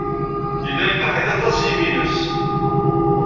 Yella yeqreḥ-it aṭas yimi-nnes.